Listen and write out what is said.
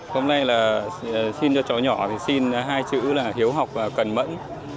hôm nay xin cho cháu nhỏ xin hai chữ là hiếu học và cẩn mẫn